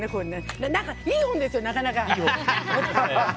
いい本ですよ、なかなか。